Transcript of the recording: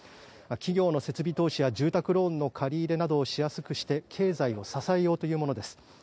企業の設備投資や住宅ローンの借り入れなどをしやすくして経済を支えようというものです。